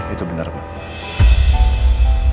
itu bener pak